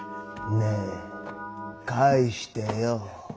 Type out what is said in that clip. ねぇ返してよッ。